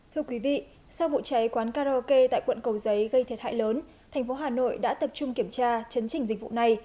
thưa quý vị sau vụ cháy quán karaoke tại quận cầu giấy gây thiệt hại lớn thành phố hà nội đã tập trung kiểm tra chấn trình dịch vụ này